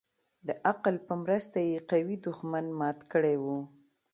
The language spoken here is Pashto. د عقل په مرسته يې قوي دښمن مات كړى و.